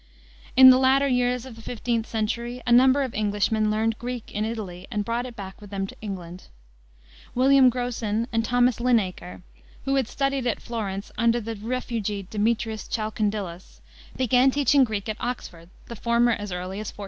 In the latter years of the 15th century a number of Englishmen learned Greek in Italy and brought it back with them to England. William Grocyn and Thomas Linacre, who had studied at Florence under the refugee, Demetrius Chalcondylas, began teaching Greek, at Oxford, the former as early as 1491.